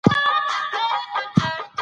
دې غازي سرتیري ته دعا وکړه.